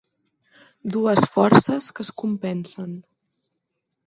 Dues forces que es compensen.